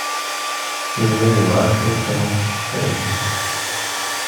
Yuba yebɣa cwiṭ n ukeffay.